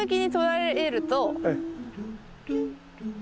ええ。